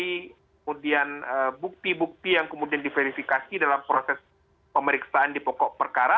kemudian bukti bukti yang kemudian diverifikasi dalam proses pemeriksaan di pokok perkara